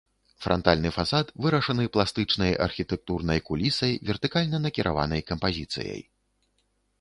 Франтальны фасад вырашаны пластычнай архітэктурнай кулісай вертыкальна накіраванай кампазіцыяй.